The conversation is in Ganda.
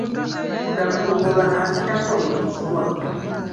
Nga mu kuguba akirako ekiswa.